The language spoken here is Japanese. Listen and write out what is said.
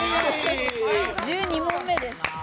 １２問目です。